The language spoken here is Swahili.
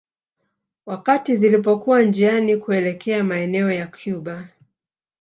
Wakati zilipokuwa njiani kuelekea maeneo ya Cuba